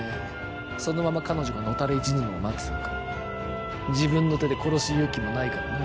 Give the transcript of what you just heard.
そのまま彼女が野垂れ死ぬのを待ってたのか自分の手で殺す勇気もないからな